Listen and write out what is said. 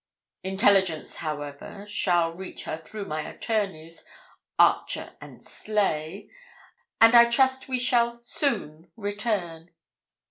Intelligence, however, shall reach her through my attorneys, Archer and Sleigh, and I trust we shall soon return.